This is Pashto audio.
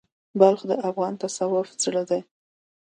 بلخ د افغان تصوف زړه دی.